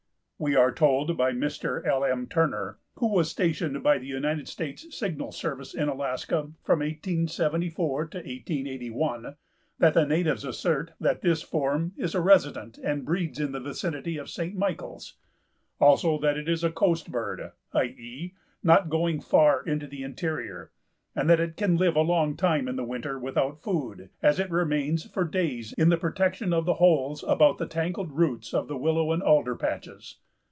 We are told by Mr. L. M. Turner, who was stationed by the United States Signal Service in Alaska from 1874 to 1881, that the natives assert that this form is "a resident, and breeds in the vicinity of St. Michaels; also that it is a coast bird, i. e., not going far into the interior, and that it can live a long time in winter without food, as it remains for days in the protection of the holes about the tangled roots of the willow and alder patches."